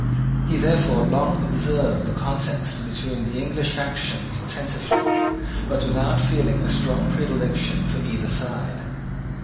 He therefore long observed the contest between the English factions attentively, but without feeling a strong predilection for either side.